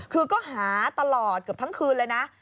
คือก็หาตลอดเกือบทั้งคืนเลยนะ